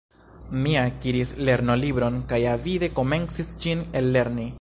Mi akiris lernolibron kaj avide komencis ĝin ellerni.